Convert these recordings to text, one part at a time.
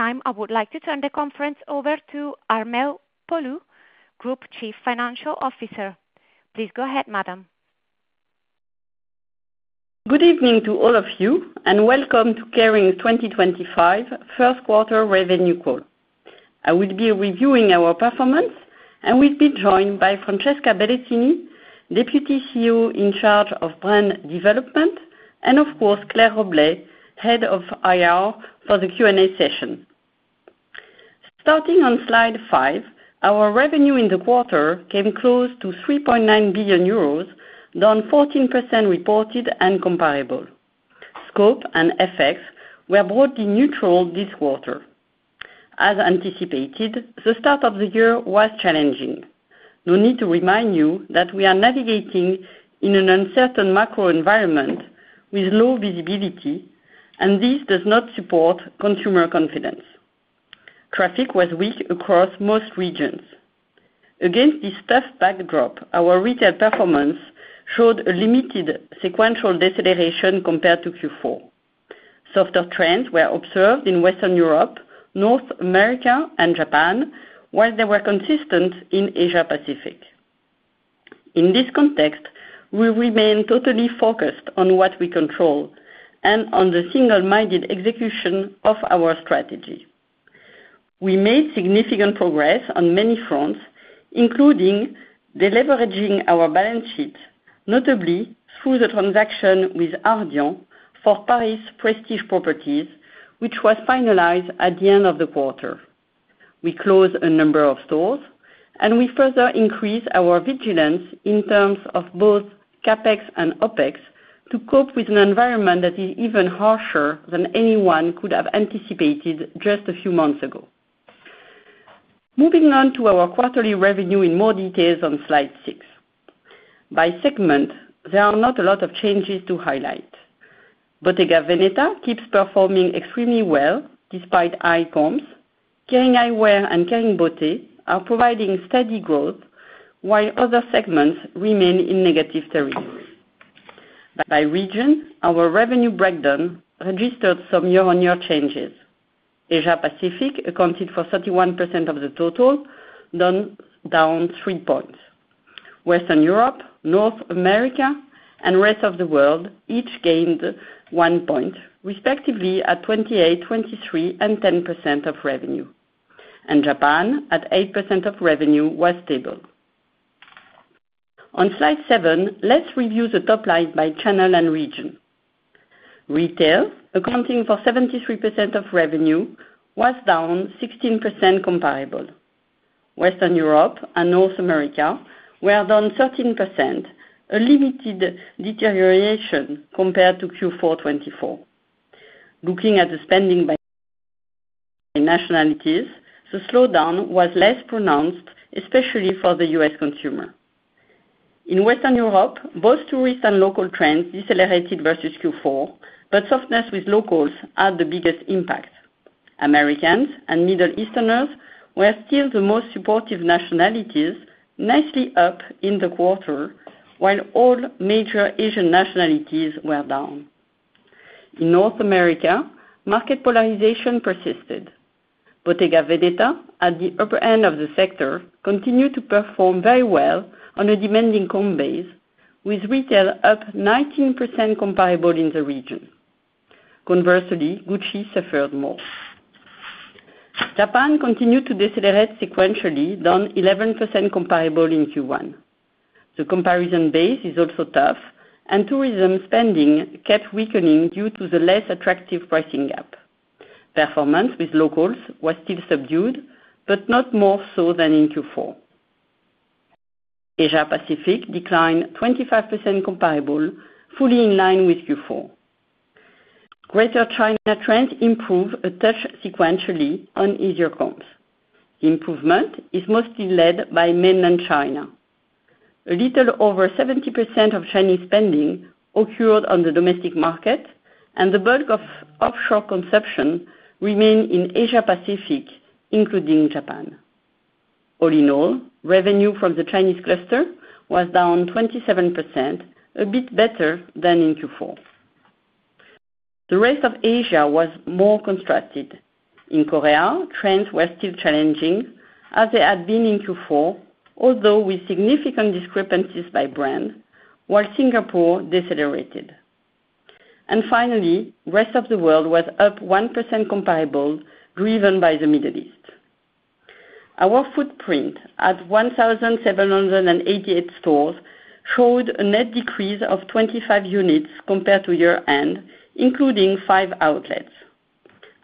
At this time I would like to turn the conference over to Armelle Poulou, Group Chief Financial Officer. Please go ahead Madam. Good evening to all of you and welcome to Kering's 2025 Q1 Revenue Call. I will be reviewing our performance and will be joined by Francesca Bellettini, Deputy CEO in charge of Brand Development and of course Claire Roblet, Head of IR for the Q&A session. Starting on slide 5, our revenue in the quarter came close to 3.9 billion euros, down 14% reported and comparable, scope and FX were broadly neutral this quarter. As anticipated, the start of the year was challenging. No need to remind you that we are navigating in an uncertain macro environment with low visibility and this does not support consumer confidence. Traffic was weak across most regions. Against this tough backdrop, our retail performance showed a limited sequential deceleration compared to Q4. Softer trends were observed in Western Europe, North America and Japan while they were consistent in Asia-Pacific. In this context we remain totally focused on what we control and on the single-minded execution of our strategy. We made significant progress on many fronts including deleveraging our balance sheet, notably through the transaction with Ardian for Paris Prestige Properties which was finalized at the end of the quarter. We closed a number of stores and we further increased our vigilance in terms of both CapEx and OpEx to cope with an environment that is even harsher than anyone could have anticipated just a few months ago. Moving on to our quarterly revenue in more details on slide 6. By segment, there are not a lot of changes to highlight. Bottega Veneta keeps performing extremely well despite high comps. Kering Eyewear and Kering Beauté are providing steady growth while other segments remain in negative territory. By region, our revenue breakdown registered some year-on-year changes. Asia-Pacific accounted for 31% of the total, down 3 percentage points. Western Europe, North America and rest of the world each gained 1 percentage point respectively at 28%, 23% and 10% of revenue, and Japan at 8% of revenue was stable. On slide 7, let's review the top line by channel and region. Retail accounting for 73% of revenue was down 16% comparable. Western Europe and North America were down 13%, a limited deterioration compared to Q4 2024. Looking at the spending by nationalities, the slowdown was less pronounced especially for the US consumer. In Western Europe both tourist and local trends decelerated versus Q4, but softness with locals had the biggest impact. Americans and Middle Easterners were still the most supportive nationalities, nicely up in the quarter, while all major Asian nationalities were down. In North America, market polarization persisted. Bottega Veneta, at the upper end of the sector, continued to perform very well on a demanding home base, with retail up 19%, comparable in the region. Conversely, Gucci suffered more. Japan continued to decelerate sequentially, down 11%, comparable in Q1. The comparison base is also tough and tourism spending kept weakening due to the less attractive pricing gap. Performance with locals was still subdued, but not more so than in Q4. Asia-Pacific declined 25% comparable, fully in line with Q4. Greater China trends improve a touch sequentially on easier comps. The improvement is mostly led by Mainland China. A little over 70% of Chinese spending occurred on the domestic market and the bulk of offshore consumption remain in Asia-Pacific, including Japan. All in all, revenue from the Chinese cluster was down 27%, a bit better than in Q4. The rest of Asia was more constructed. In Korea, trends were still challenging as they had been in Q4, although with significant discrepancies by brand, while Singapore decelerated, And finally, rest of the world was up 1%, comparable, driven by the Middle East. Our footprint at 1,788 stores showed a net decrease of 25 units compared to year end, including five outlets.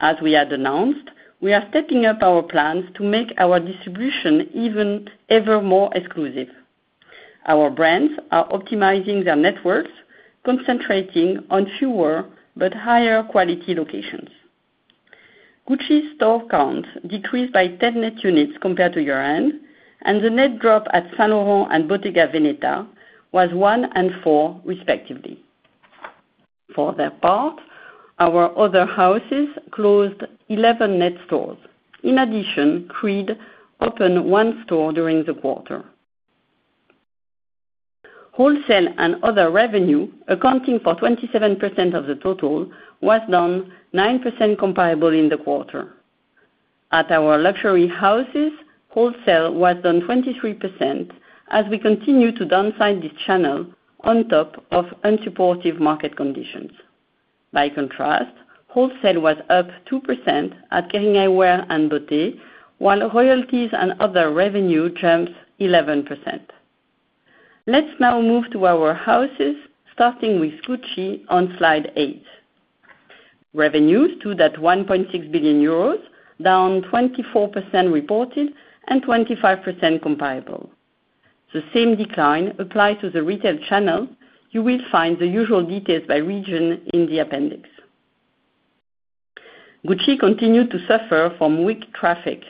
As we had announced, we are stepping up our plans to make our distribution even ever more exclusive. Our brands are optimizing their networks, concentrating on fewer but higher quality locations. Gucci's store count decreased by 10 net units compared to year end, and the net drop at Saint Laurent and Bottega Veneta was 1 and 4 respectively. For their part, our other houses closed 11 net stores. In addition, Creed opened one store during the quarter. Wholesale and other revenue, accounting for 27% of the total, was down 9%, comparable in the quarter. At our luxury houses, wholesale was down 23% as we continue to downsize this channel on top of unsupportive market conditions. By contrast, wholesale was up 2% at Kering Eyewear and Bottega Veneta, while royalties and other revenue jumped 11%. Let's now move to our houses, starting with Gucci on slide 8. Revenues stood at 1.6 billion euros, down 24% reported and 25% comparable. The same decline applies to the retail channel. You will find the usual details by region in the appendix. Gucci continued to suffer from weak traffic,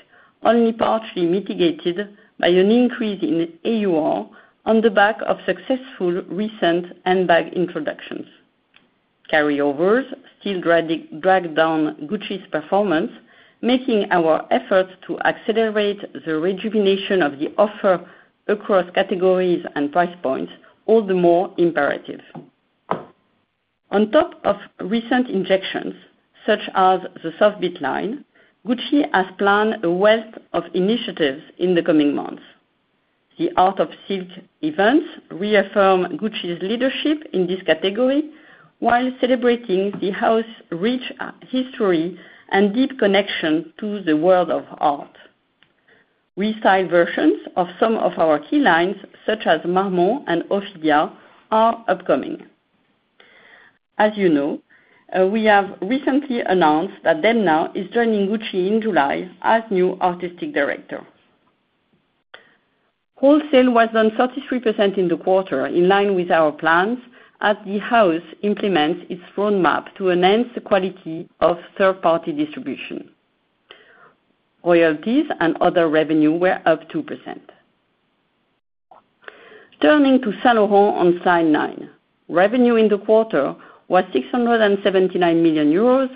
only partially mitigated by an increase in AUR on the back of successful recent handbag introductions. Carryovers still drag down Gucci's performance, making our efforts to accelerate the rejuvenation of the offer across categories and price points all the more imperative. On top of recent injections such as the Softbit line, Gucci has planned a wealth of initiatives in the coming months. The Art of Silk events reaffirm Gucci's leadership in this category while celebrating the House's rich history and deep connection to the world of art. Restyle versions of some of our key lines such as Marmont and Ophidia are upcoming. As you know, we have recently announced that Demna is joining Gucci in July as new Artistic Director. Wholesale was down 33% in the quarter in line with our plans as the House implements its roadmap to enhance the quality of third party distribution. Royalties and other revenue were up 2%. Turning to Saint Laurent on slide 9. Revenue in the quarter was 679 million euros,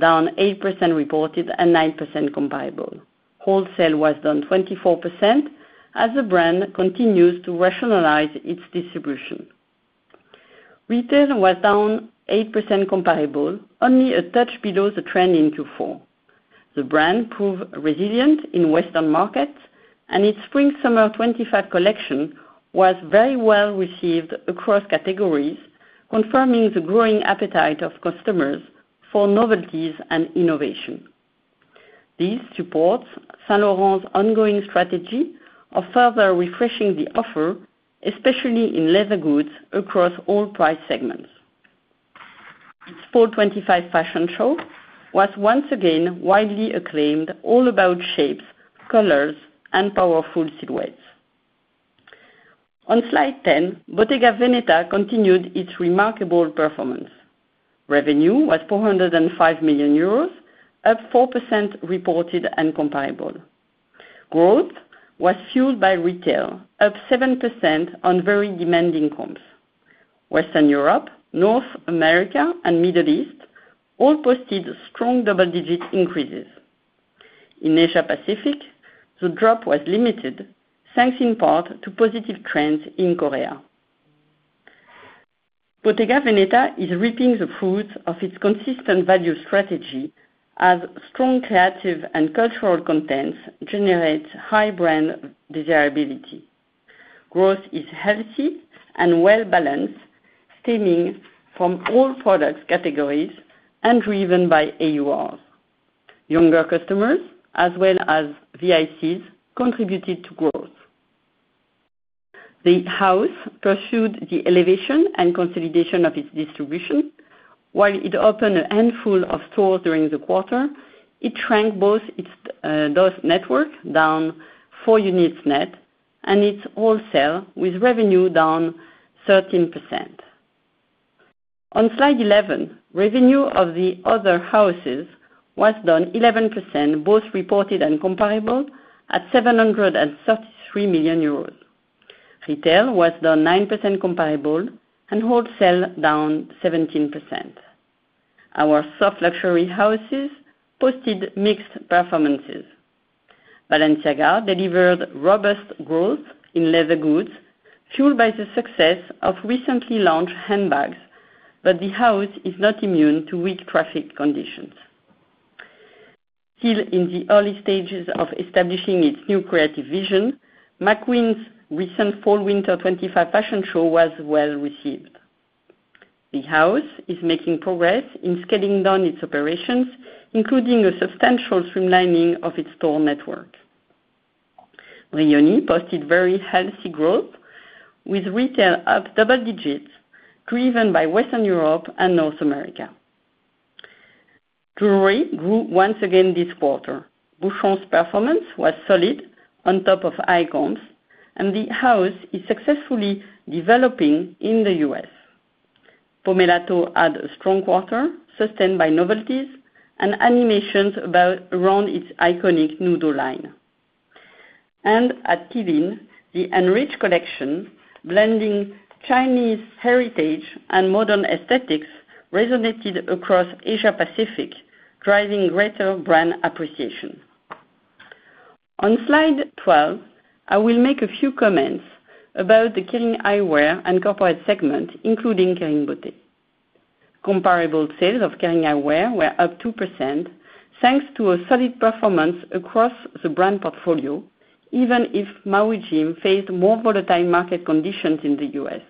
down 8% reported and 9% comparable. Wholesale was down 24% as the brand continues to rationalize its distribution. Retail was down 8% comparable, only a touch below the trend in Q4. The brand proved resilient in Western markets and its Spring/Summer 2025 collection was very well received across categories, confirming the growing appetite of customers for novelties and innovation. This supports Saint Laurent's ongoing strategy of further refreshing the offer, especially in leather goods across all price segments. Its fall 2025 fashion show was once again widely acclaimed, all about shapes, colors and powerful silhouettes. On slide 10, Bottega Veneta continued its remarkable performance. Revenue was 405 million euros, up 4% reported, and comparable. Growth was fueled by retail up 7% on very demanding comps. Western Europe, North America and Middle East all posted strong double-digit increases. In Asia-Pacific, the drop was limited thanks in part to positive trends in Korea. Bottega Veneta is reaping the fruits of its consistent value strategy as strong creative and cultural contents generates high brand desirability. Growth is healthy and well balanced, stemming from all product categories and driven by AURs. Younger customers as well as VICs contributed to growth. The House pursued the elevation and consolidation of its distribution. While it opened a handful of stores during the quarter, it shrank both its DOS network down 4 units net and its wholesale with revenue down 13%. On slide 11, revenue of the other houses was down 11%, both reported and comparable at 733 million euros. Retail was down 9% comparable and wholesale down 17%. Our soft luxury houses posted mixed performances. Balenciaga delivered robust growth in leather goods fueled by the success of recently launched handbags, but the House is not immune to weak traffic conditions. Still in the early stages of establishing its new creative vision, McQueen's recent Fall/Winter 2025 fashion show was well received. The House is making progress in scaling down its operations, including a substantial streamlining of its store network. Brioni posted very healthy growth with retail up double digits driven by Western Europe and North America. Jewelry grew once again this quarter. Boucheron's performance was solid on top of icons and the House is successfully developing in the US. Pomellato had a strong quarter sustained by novelties and animations around its iconic Nudo line and at Qeelin, the enriched collection blending Chinese heritage and modern aesthetics resonated across Asia-Pacific, driving greater brand appreciation. On slide 12, I will make a few comments about the Kering Eyewear and corporate segment, including Kering Beauté. Comparable sales of Kering Eyewear were up 2%, thanks to a solid performance across the brand portfolio. Even if Maui Jim faced more volatile market conditions in the US.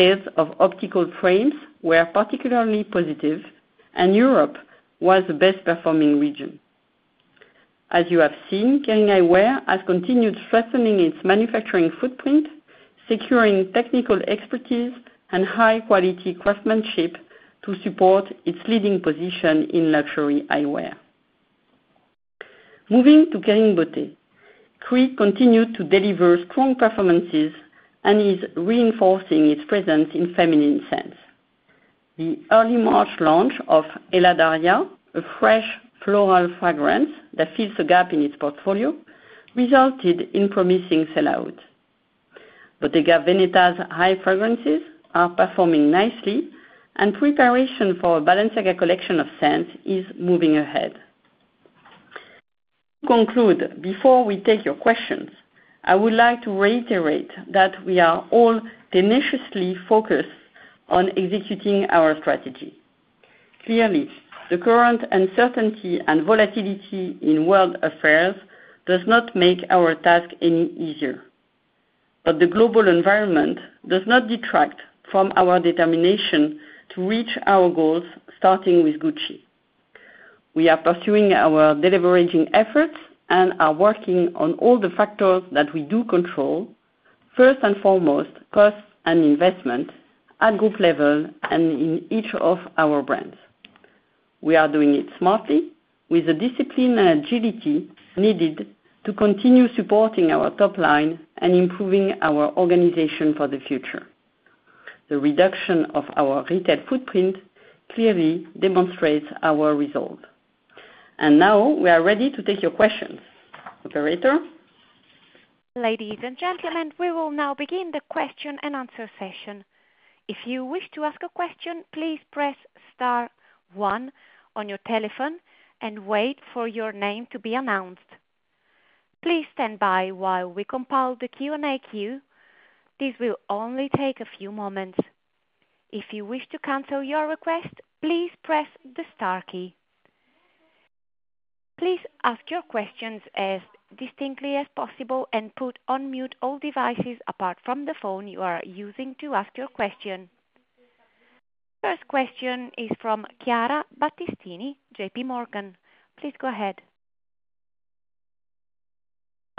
Sales of optical frames were particularly positive and Europe was the best performing region. As you have seen, Kering Eyewear has continued strengthening its manufacturing footprint, securing technical expertise and high quality craftsmanship to support its leading position in luxury eyewear. Moving to Kering Beauté, Creed continued to deliver strong performances and is reinforcing its presence in feminine scents. The early March launch of Eladaria, a fresh floral fragrance that fills the gap in its portfolio, resulted in promising sellout. Bottega Veneta's high fragrances are performing nicely and preparation for a Balenciaga collection of scents is moving ahead. To conclude, before we take your questions, I would like to reiterate that we are all tenaciously focused on executing our strategy. Clearly, the current uncertainty and volatility in world affairs does not make our task any easier. But the global environment does not detract from our determination to reach our goals starting with Gucci. We are pursuing our deleveraging efforts and are working on all the factors that we do control, first and foremost cost and investment at group level and in each of our brands. We are doing it smartly with a disciplined agility needed to continue supporting our top line and improving our organization for the future. The reduction of our retail footprint clearly demonstrates our result and now we are ready to take your questions. Operator. Ladies and gentlemen, we will now begin the question and answer session. If you wish to ask a question, please press star one on your telephone and wait for your name to be announced. Please stand by while we compile the Q&A queue. This will only take a few moments. If you wish to cancel your request, please press the star key. Please ask your questions as distinctly as possible and put on mute all devices apart from the phone you are using to ask your question. First question is from Chiara Battistini, JP Morgan. Please go ahead.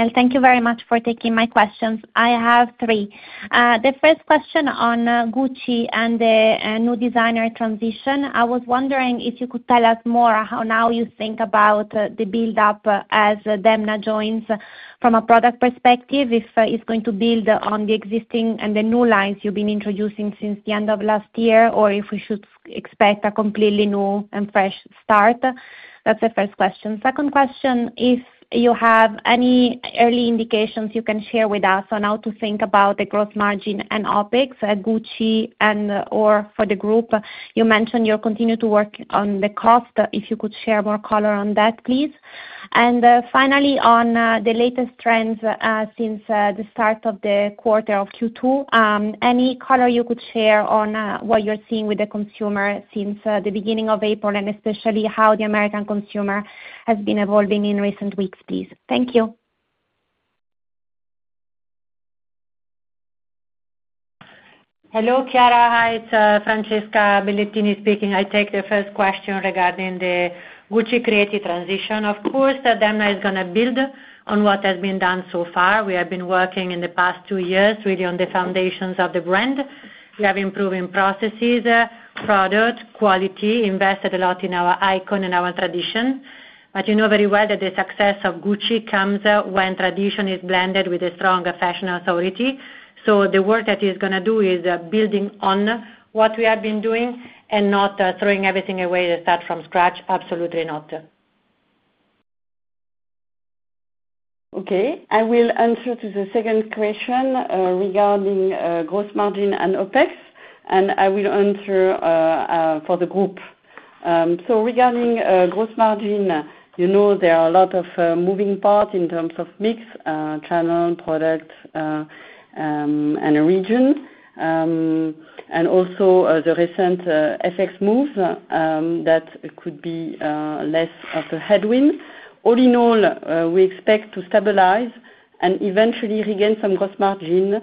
Thank you very much for taking my questions. I have three, the first question on Gucci and the new designer transition. I was wondering if you could tell us more how now you think about the buildup as Demna joins from a product perspective, if it's going to build on the existing and the new lines you've been introducing since the end of last year or if we should expect a completely new and fresh start. That's the first question. Second question, if you have any early indications you can share with us on how to think about the gross margin and OpEx, Gucci and or for the group. You mentioned, you'll continue to work on the cost. If you could share more color on that please. Finally, on the latest trends since the start of the quarter of Q2. Any color you could share on what you're seeing with the consumer since the beginning of April and especially how the American consumer has been evolving in recent weeks. Please. Thank you. Hello Chiara, hi. It's Francesca Bellettini speaking. I take the first question regarding the Gucci creative transition. Of course Demna is going to build on what has been done so far. We have been working in the past two years really on the foundations of the brand. We have improving processes, product quality, invested a lot in our icon and our tradition. You know very well that the success of Gucci comes when tradition is blended with a strong fashion authority. The work that is going to do is building on what we have been doing and not throwing everything away that start from scratch. Absolutely not. Okay, I will answer to the second question regarding gross margin and OpEx and I will answer for the group. Regarding gross margin, you know there are a lot of moving parts in terms of mix, channel, product and region and also the recent FX moves that could be less of a headwind. All in all, we expect to stabilize and eventually regain some gross margin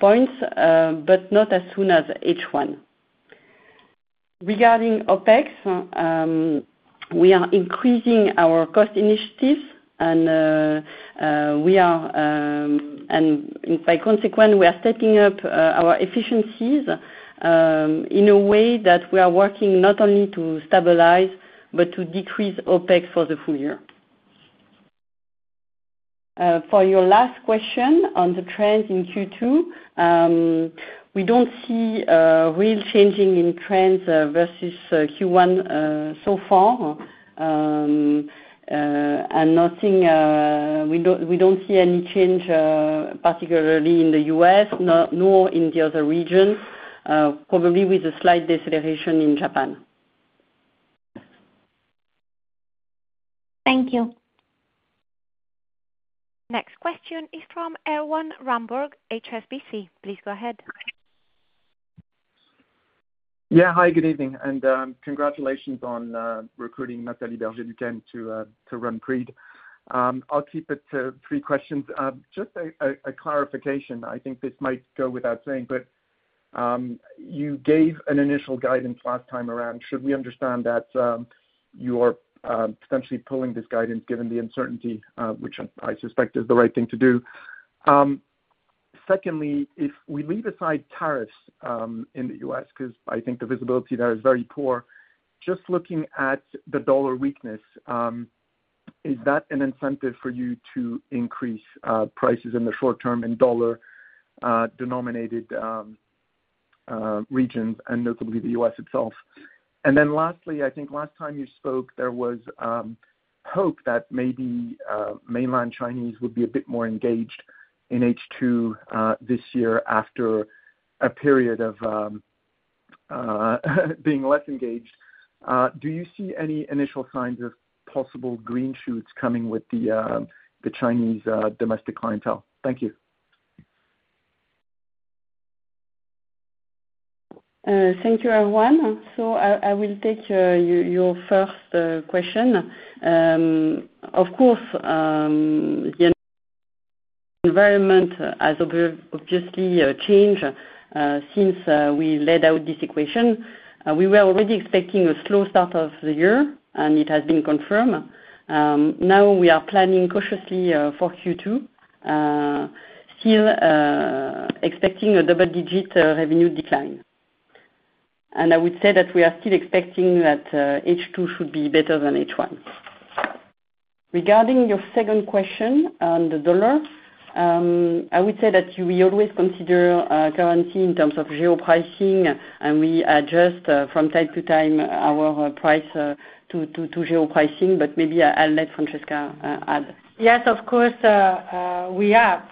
points, but not as soon as H1. Regarding OPEX, we are increasing our cost initiatives and by consequence, we are setting up our efficiencies in a way that we are working not only to stabilize but to decrease OpEx for the full year. For your last question on the trend in Q2, we don't see real changing in trends versus Q1 so far and nothing, we don't see any change particularly in the US nor in the other regions, probably with a slight deceleration in Japan. Thank you. Next question is from Erwan Rambourg, HSBC. Please go ahead. Yeah, hi, good evening and congratulations on recruiting Nathalie Berger Duquene to run Creed. I'll keep it to three questions. Just a clarification. I think this might go without saying, but you gave an initial guidance last time around. Should we understand that you are potentially pulling this guidance given the uncertainty, which I suspect is the right thing to do? Secondly, if we leave aside tariffs in the US because I think the visibility there is very poor, just looking at the dollar weakness, is that an incentive for you to increase prices in the short term in dollar denominated regions and notably the US itself? Lastly, I think last time you spoke there was hope that maybe mainland Chinese would be a bit more engaged in H2 this year after a period of being less engaged. Do you see any initial signs of possible green shoots coming with the Chinese domestic clientele? Thank you. Thank you Erwan. I will take your first question. Of course the environment has obviously changed since we laid out this equation. We were already expecting a slow start of the year and it has been confirmed. Now we are planning cautiously for Q2, still expecting a double-digit revenue decline. I would say that we are still expecting that H2 should be better than H1. Regarding your second question on the dollar, I would say that we always consider currency in terms of geopricing and we adjust from time to time our price to geopricing. Maybe I'll let Francesca add, yes. Of course, we are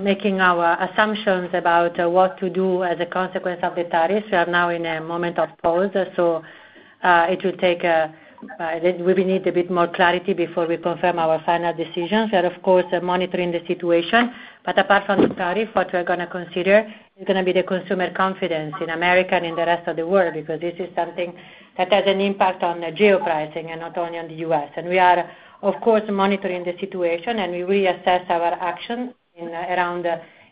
making our assumptions about what to do as a consequence of the tariffs. We are now in a moment of pause, so it will take. We need a bit more clarity before we confirm our final decisions and of course monitoring the situation. Apart from tariff, what we are going to consider is going to be the consumer confidence in America and in the rest of the world. Because this is something that has an impact on geopricing and not only on the US and we are of course monitoring the situation and we reassess our action around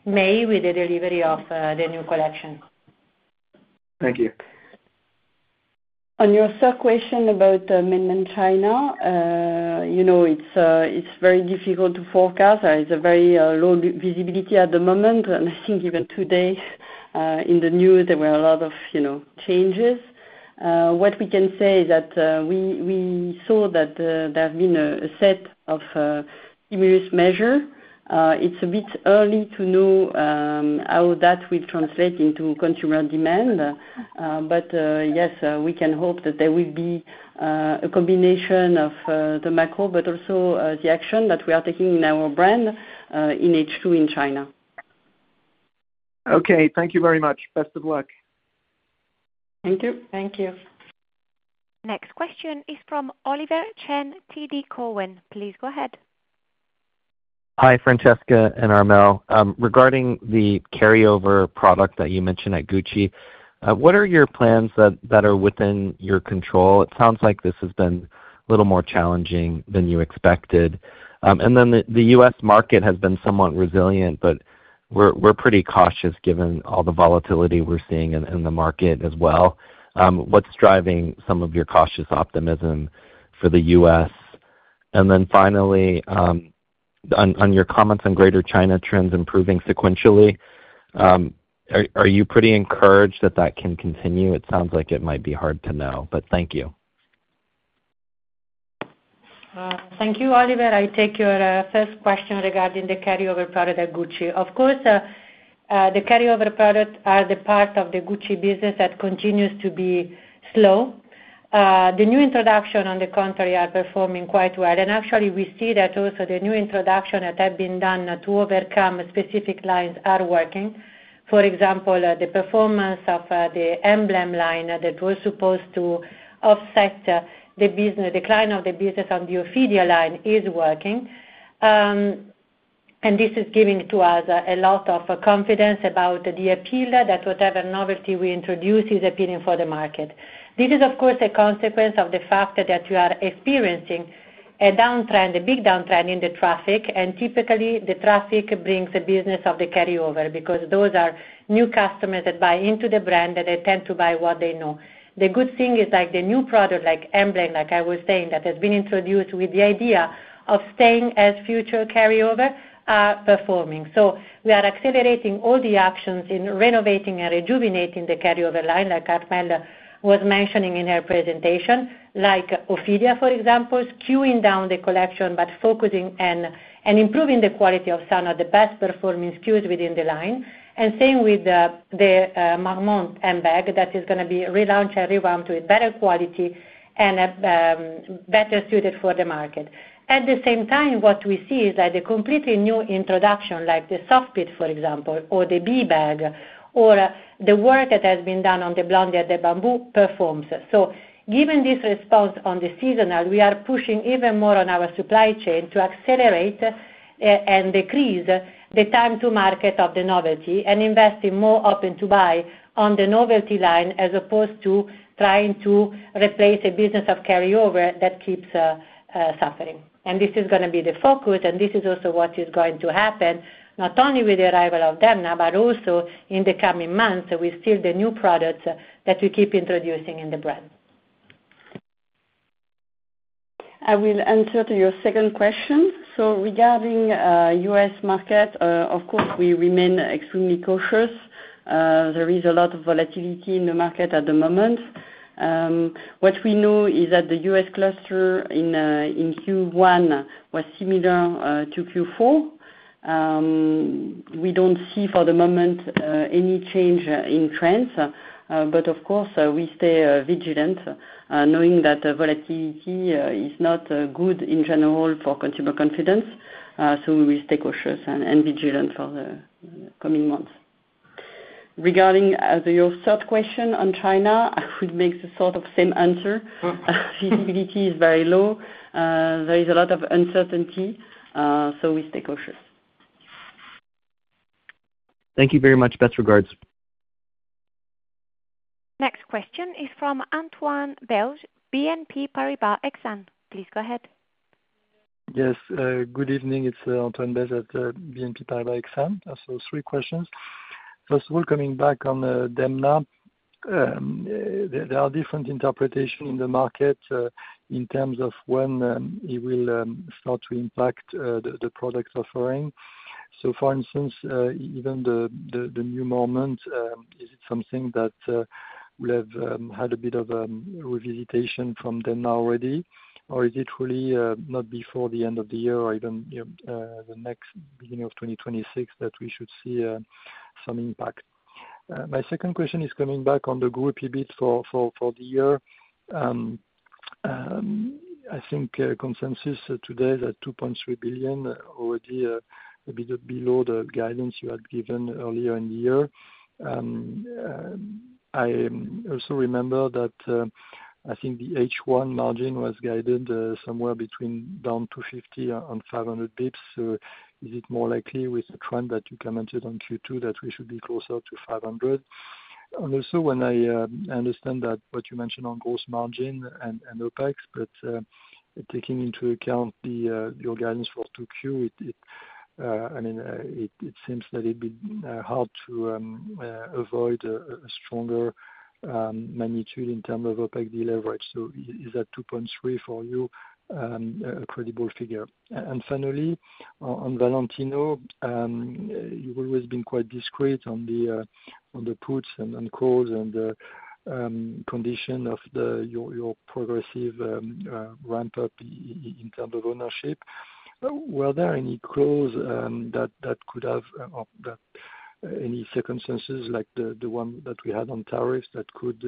May with the delivery of the new collection. Thank you. On your third question about mainland China, you know, it's very difficult to forecast. It's very low visibility at the moment and I think even today in the news there were a lot of changes. What we can say is that we saw that there have been a set of measures. It's a bit early to know how that will translate into consumer demand. But yes, we can hope that there will be a combination of the macro, but also the action that we are taking in our brand in H2 in China. Okay, thank you very much. Best of luck. Thank you. Thank you. Next question is from Oliver Chen, TD Cowen. Please go ahead. Hi Francesca and Armelle, regarding the carryover product that you mentioned at Gucci, what are your plans that are within your control? It sounds like this has been a little more challenging than you expected. The US market has been somewhat resilient, but we're pretty cautious given all the volatility we're seeing in the market as well. What's driving some of your cautious optimism for the U.S., and finally on your comments on Greater China trends improving sequentially, are you pretty encouraged that that can continue? It sounds like it might be hard to know, but thank you. Thank you. Oliver, I take your first question regarding the carryover product at Gucci. Of course, the carryover product are the part of the Gucci business that continues to be slow. The new introduction, on the contrary, are performing quite well. Actually, we see that also the new introduction that have been done to overcome specific lines are working. For example, the performance of the Emblem line that was supposed to offset the business decline of the business on the Ophidia line is working. This is giving to us a lot of confidence about the appeal that whatever novelty we introduce is appealing for the market. This is of course a consequence of the fact that you are experiencing a downtrend, a big downtrend in the traffic and typically the traffic brings the business of the carryover because those are new customers that buy into the brand that they tend to buy what they know. The good thing is like the new product like Emblem, like I was saying, that has been introduced with the idea of staying as future carryover are performing. We are accelerating all the actions in renovating and rejuvenating the carryover line like Armelle was mentioning in her presentation, like Ophidia, for example, skewing down the collection but focusing on and improving the quality of some of the best performing SKUs within the line. Same with the Marmont Handbag that is going to be relaunched and revamped with better quality and better suited for the market. At the same time, what we see is that a completely new introduction like the Softbit, for example, or the B bag or the work that has been done on the Blondie and the bamboo performs. Given this response on the seasonal, we are pushing even more on our supply chain to accelerate, accelerate and decrease the time to market of the novelty and investing more open to buy on the novelty line as opposed to trying to replace a business of carryover that keeps suffering. This is going to be the focus and this is also what is going to happen not only with the arrival of Demna, but also in the coming months we see the new products that we keep introducing in the brand. I will answer to your second question. Regarding U.S. market, of course we remain extremely cautious. There is a lot of volatility in the market at the moment. What we know is that the US cluster in Q1 was similar to Q4. We do not see for the moment any change in trends. Of course we stay vigilant knowing that volatility is not good in general for consumer confidence. We will stay cautious and vigilant for the coming months. Regarding your third question on China, I would make the sort of same answer. Feasibility is very low, there is a lot of uncertainty, so we stay cautioned. Thank you very much. Best regards. Next question is from Antoine Belge, BNP Paribas Exsane. Please go ahead. Yes, good evening, it's Antoine Belge at BNP Paribas Exsane. Three questions. First of all, coming back on Demna, there are different interpretations in the market in terms of when he will start to impact the product offering. For instance, even the new moment, is it something that will have had a bit of revisitation from them already or is it really not before the end of the year or even the next beginning of 2026 that we should see some impact? My second question is coming back on the group EBIT for the year. I think consensus today is that 2.3 billion is already a bit below the guidance you had given earlier in the year. I also remember that I think the H1 margin was guided somewhere between down to 50 on 500 basis points. Is it more likely with the trend that you commented on Q2 that we should be closer to 500? Also, I understand what you mentioned on gross margin and OpEx, but taking into account the organs for Q2, I mean it seems that it'd be hard to avoid a stronger magnitude in terms of OpEx deleverage. Is that 2.3 for you a credible figure? Finally, on Valentino, you've always been quite discreet on the puts and calls and condition of your progressive ramp up in terms of ownership. Were there any calls that could have any circumstances like the one that we had on tariffs that could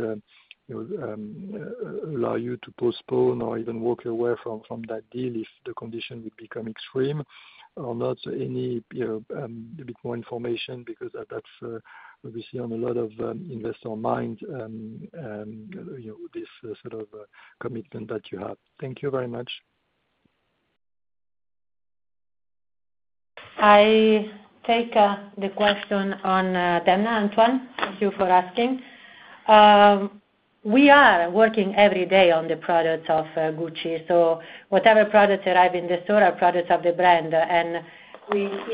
allow you to postpone or even walk away from that deal if the condition would become extreme or not? Any bit more information because that's obviously on a lot of investor mind, this sort of commitment that you have. Thank you very much. I take the question on Demna, Antoine. Thank you for asking. We are working every day on the products of Gucci. Whatever products arrive in the store are products of the brand.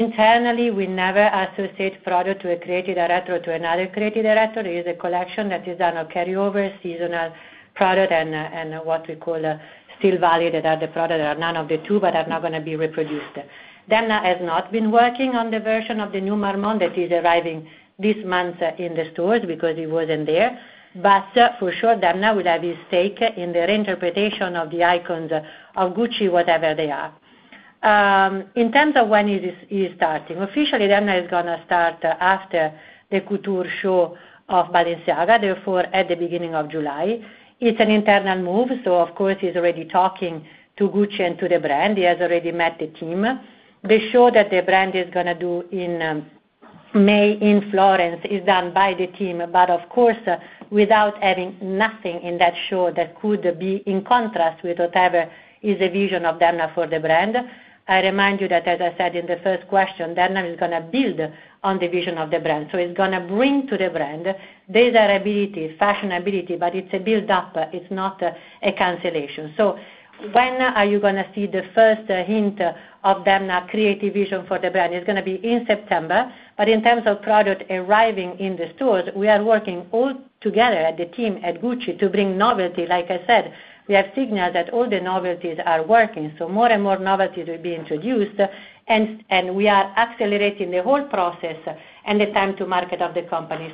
Internally we never associate product to a creative director or to another creative director. It is a collection that is done on carryover, seasonal product, and what we call still value that are the product that are none of the two but are not going to be reproduced. Demna has not been working on the version of the new Marmont that is arriving this month in the stores because he was not there. For sure, Demna will have his take in their interpretation of the icons of Gucci, whatever they are, in terms of when is starting. Officially, Demna is going to start after the couture show of Balenciaga, therefore at the beginning of July. It's an internal move. Of course he's already talking to Gucci and to the brand. He has already met the team. The show that the brand is going to do in May in Florence is done by the team. Of course, without having nothing in that show that could be in contrast with whatever is a vision of Demna for the brand. I remind you that as I said in the first question, Demna is going to build on the vision of the brand. It's going to bring to the brand desirability, fashionability, but it's a build up, it's not a cancellation. When are you going to see the first hint of them creating vision for the brand? It's going to be in September. In terms of product arriving in the stores, we are working all together at the team at Gucci to bring novelty. Like I said, we have signals that all the novelties are working. More and more novelties are introduced and we are accelerating the whole process and the time to market of the company.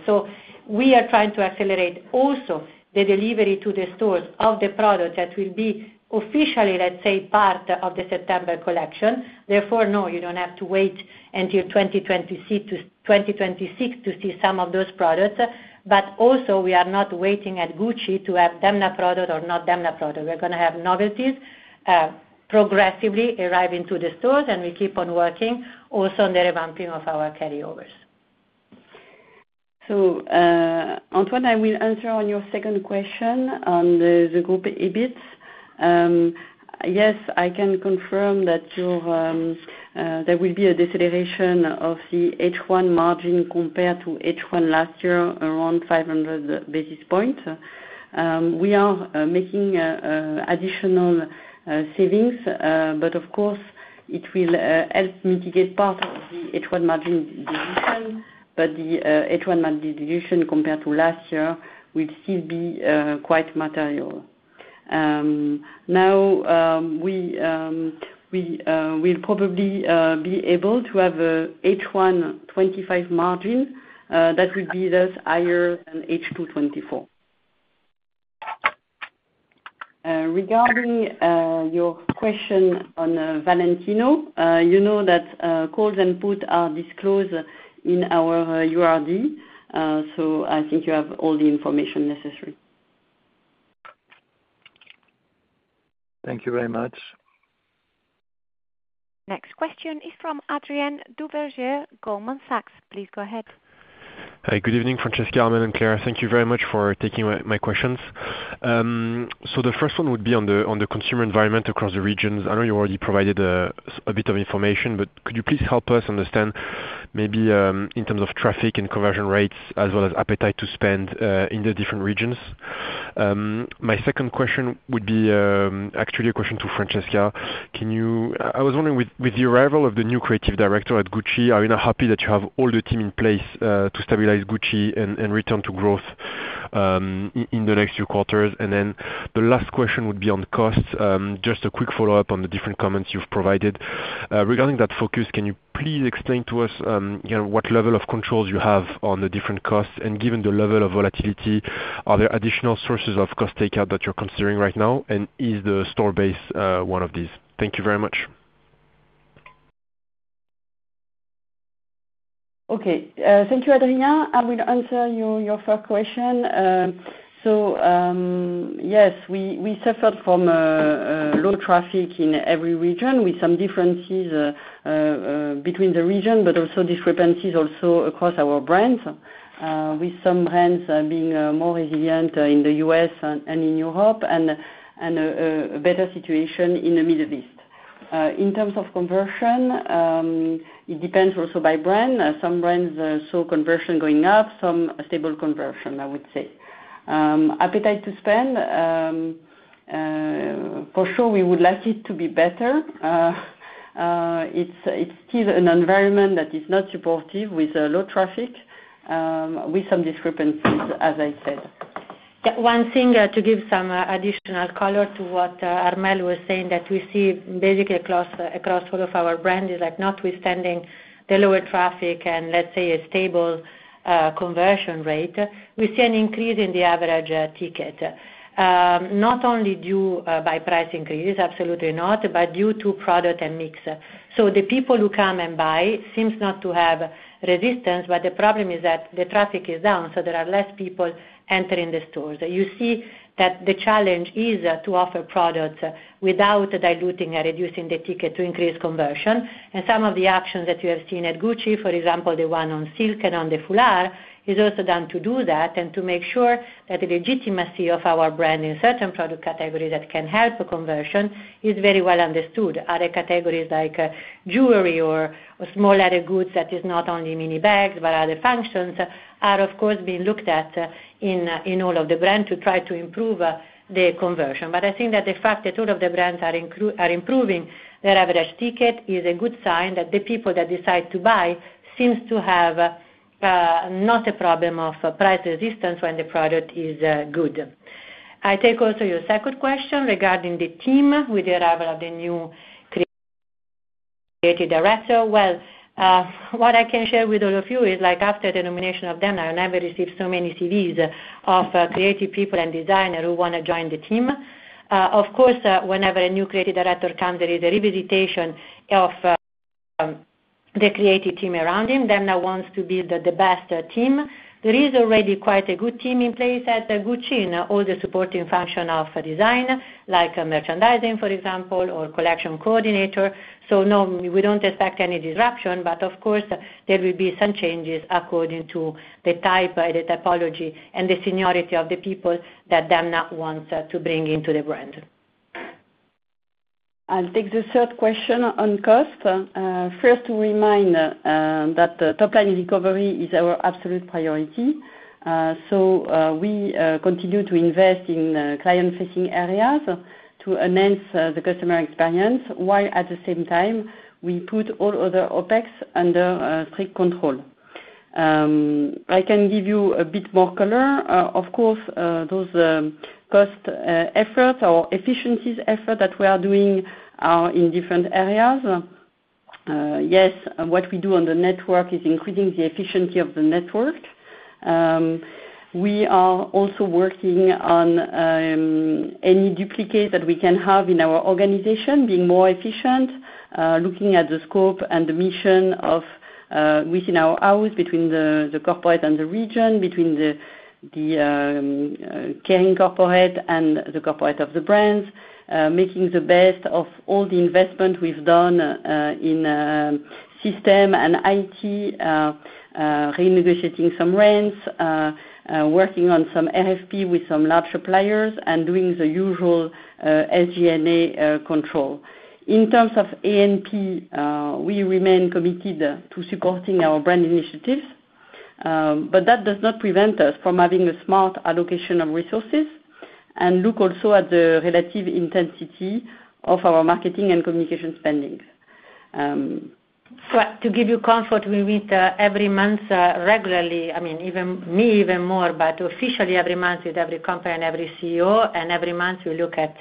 We are trying to accelerate also the delivery to the stores of the product that will be officially, let's say, part of the September collection. Therefore, no, you do not have to wait until 2026 to see some of those products. Also, we are not waiting at Gucci to have Demna product or not Demna product. We are going to have novelties progressively arrive into the stores and we keep on working also on the revamping of our carryovers. Antoine, I will answer on your second question on the group EBIT. Yes, I can confirm that there will be a deceleration of the H1 margin compared to H1 last year, around 500 basis points. We are making additional savings, but of course it will help mitigate part of the H1 margin. The H1 margin dilution compared to last year will still be quite material. Now we will probably be able to have H1 2025 margin that would be thus higher than H2 2024. Regarding your question on Valentino, you know that calls and put are disclosed in our URD, so I think you have all the information necessary. Thank you very much. Next question is from Adrienne Duverger, Goldman Sachs. Please go ahead. Good evening, Francesca, Armelle and Claire, thank you very much for taking my questions. The first one would be on the consumer environment across the regions. I know you already provided a bit of information, but could you please help us understand maybe in terms of traffic and conversion rates as well as appetite to spend in the different regions. My second question would be actually a question to Francesca. I was wondering, with the arrival of the new creative director at Gucci, are you now happy that you have all the team in place to stabilize Gucci and return to growth in the next few quarters? The last question would be on costs. Just a quick follow up on the different comments you've provided regarding that focus. Can you please explain to us what level of controls you have on the different costs? Given the level of volatility, are there additional sources of cost takeout that you're considering right now? Is the store base one of these? Thank you very much. Okay, thank you, Adrien. I will answer your first question. Yes, we suffered from low traffic in every region with some differences between the region, but also discrepancies across our brands, with some brands being more resilient in the US and in Europe and a better situation in the Middle East. In terms of conversion, it depends also by brand. Some brands saw conversion going up, some stable conversion. I would say appetite to spend for sure we would like it to be better. It's still an environment that is not supportive with low traffic, with some discrepancies, as I said. One thing to give some additional color to what Armelle was saying that we see basically across all of our brand is like, notwithstanding the lower traffic and let's say a stable conversion rate, we see an increase in the average ticket not only due by price increases. Absolutely not. But due to product and mix. So the people who come and buy seems not to have resistance. The problem is that the traffic is down so there are less people entering the stores. You see that the challenge is to offer products without diluting or reducing the ticket to increase conversion, and some of the actions that you have seen at Gucci, for example the one on silk and on the full art, is also done to do that and to make sure that the legitimacy of our brand in certain product categories that can help consumers' conversion is very well understood. Other categories like jewelry or small other goods, that is not only mini bags but other functions, are of course being looked at in all of the brands to try to improve the conversion. I think that the fact that all of the brands are improving their average ticket is a good sign that the people that decide to buy seem to have not a problem of price resistance when the product is good. I take also your second question regarding the team with the arrival of the new creative director. What I can share with all of you is like after the nomination of Demna, never received so many CVs of creative people and designers who want to join the team. Of course whenever a new creative director comes, there is a revisitation of the creative team around him. Demna wants to build the best team. There is already quite a good team in place at Gucci. All the supporting function of design like merchandising for example or collection coordinator. No, we do not expect any disruption but of course there will be some changes according to the type, the typology and the seniority of the people that Demna wants to bring into the brand. I'll take the third question on cost. First to remind that top line recovery is our absolute priority. We continue to invest in client facing areas to enhance the customer experience while at the same time we put all other OpEx under strict control. I can give you a bit more color. Of course, those cost efforts or efficiencies effort that we are doing in different areas. Yes, what we do on the network is increasing the efficiency of the network. We are also working on any duplicate that we can have in our organization being more efficient, looking at the scope and the mission within our house, between the corporate and the region, between the Kering corporate and the corporate of the brands, making the best of all the investment we've done in system and IT, renegotiating some rents, working on some RFP with some large suppliers, and doing the usual SG&A control in terms of A&P. We remain committed to supporting our brand initiatives, but that does not prevent us from having a smart allocation of resources. Look also at the relative intensity of our marketing and communication spending. To give you comfort, we meet every month regularly, I mean even me even more, but officially every month with every company and every CEO, and every month we look at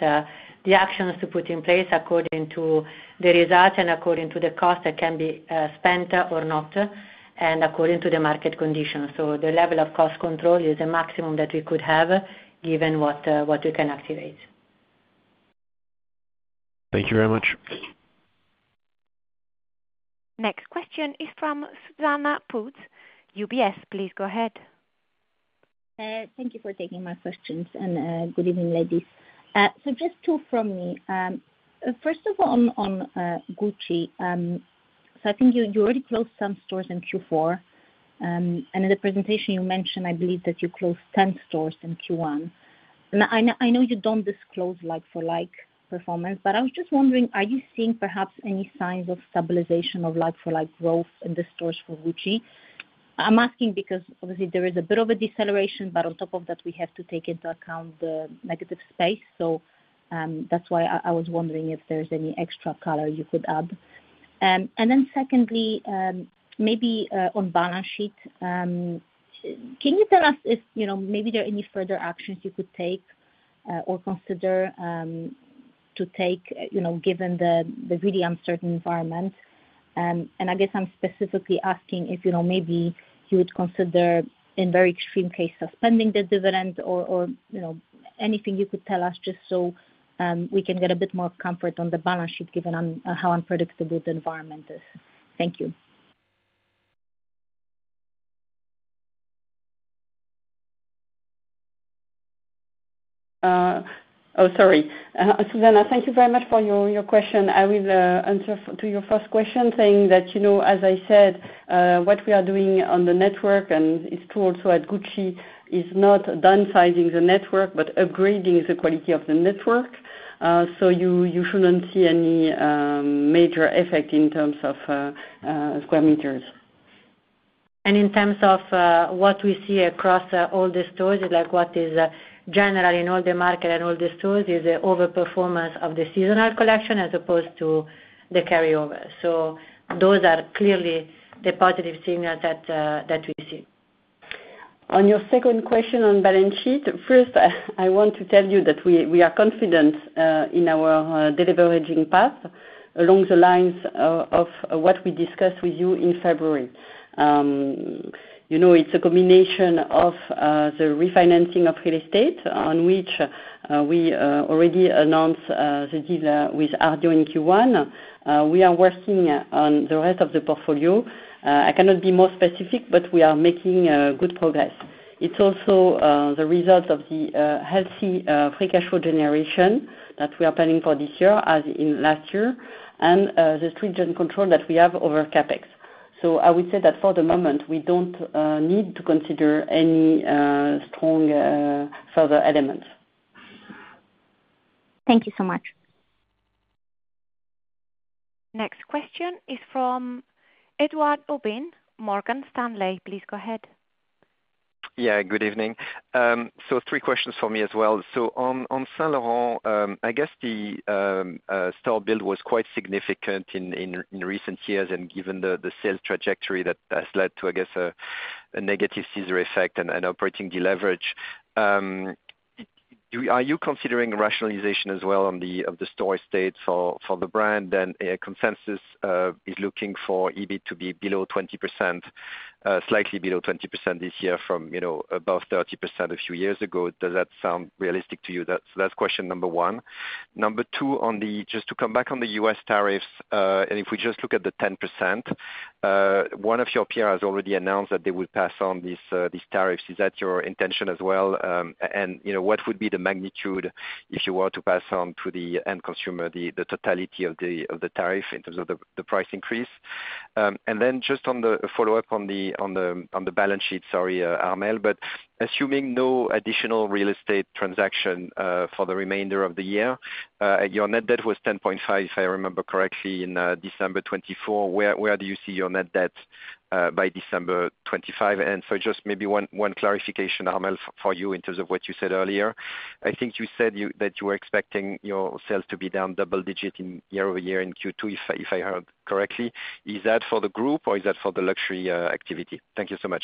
the actions to put in place according to the result and according to the cost that can be spent or not and according to the market conditions. The level of cost control is a maximum that we could have given what you can activate. Thank you very much. Next question is from Zuzanna Pusz, UBS. Please go ahead. Thank you for taking my questions and good evening ladies. Just two from me. First of all on Gucci. I think you already closed some stores in Q4 and in the presentation you mentioned, I believe that you closed 10 stores in Q1. I know you do not disclose like for like performance, but I was just wondering are you seeing perhaps any signs of stabilization of like for like growth in the stores for Gucci? I am asking because obviously there is a bit of a deceleration, but on top of that we have to take into account the negative space. That is why I was wondering if there is any extra color you could add. Secondly, maybe on balance sheet, can you tell us if, you know, maybe there are any further actions you could take or consider to take given the really uncertain environment. I guess I am specifically asking if maybe you would consider in very extreme cases suspending the dividend or anything you could tell us just so we can get a bit more comfort on the balance sheet given how unpredictable the environment is. Thank you. Oh, sorry, Zuzanna thank you very much for your question. I will answer to your first question saying that as I said, what we are doing on the network and also at Gucci is not downsizing the network but upgrading the quality of the network. You should not see any major effect in terms of square meters. And in terms of what we see across all the stores, like what is general in all the market and all the stores is the overperformance of the seasonal collection as opposed to the carryover. Those are clearly the positive signals that we see. On your second question on balance sheet. First, I want to tell you that we are confident in our deleveraging path along the lines of what we discussed with you in February. You know, it's a combination of the refinancing of real estate on which we already announced the deal with Ardian in Q1. We are working on the rest of the portfolio. I cannot be more specific, but we are making good progress. It's also the result of the healthy free cash flow generation that we are planning for this year as in last year and the stringent control that we have over CapEx. I would say that for the moment we don't need to consider any strong further elements. Thank you so much. Next question is from Edouard Aubin, Morgan Stanley. Please go ahead. Yeah, good evening. Three questions for me as well. On Saint Laurent, I guess the store build was quite significant in recent years and given the sales trajectory that led to, I guess, a negative Caesar effect and operating deleverage, are you considering rationalization as well of the store estate for the brand? Consensus is looking for EBIT to be below 20%, slightly below 20% this year from above 30% a few years ago. Does that sound realistic to you? That's question number one. Number two, just to come back on the US tariffs, if we just look at the 10%, one of your peers already announced that they would pass on these tariffs. Is that your intention as well? What would be the magnitude if you were to pass on to the end consumer the totality of the tariff in terms of the price increase? Just on the follow up on the balance sheet, sorry Armelle, but assuming no additional real estate transaction for the remainder of the year, your net debt was 10.5 billion if I remember correctly in December 2024. Where do you see your net debt by December 2025? Maybe one clarification, Armelle, for you in terms of what you said earlier. I think you said that you were expecting your sales to be down double digit year-over-year in Q2, if I heard correctly. Is that for the group or is that for the luxury activity? Thank you so much.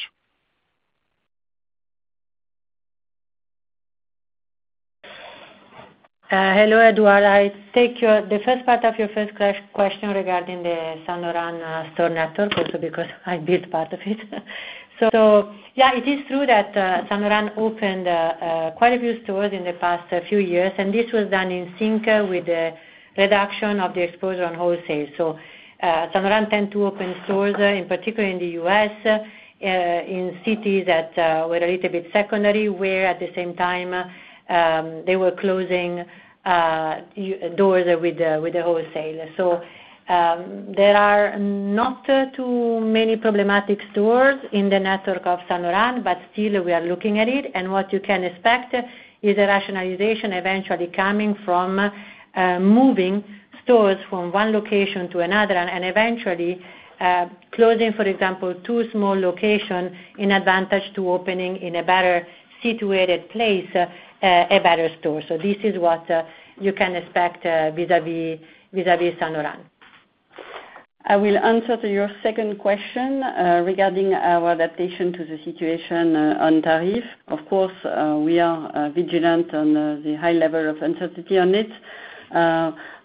Hello Eduard, I take the first part of your first question regarding the Saint Laurent store network also because I built part of it. Yeah, it is true that Saint Laurent opened quite a few stores in the past few years and this was done in sync with the reduction of the exposure on wholesale. Saint Laurent tended to open stores in particular in the US, in cities that were a little bit secondary where at the same time they were closing doors with the wholesale. There are not too many problematic stores in the network of Saint Laurent. Still, we are looking at it and what you can expect is a rationalization eventually coming from moving stores from one location to another and eventually closing for example two small locations in advantage to opening in a better situated place, a better store. This is what you can expect vis-à-vis Saint Laurent. I will answer to your second question regarding our adaptation to the situation on tariff. Of course we are vigilant on the high level of uncertainty on it,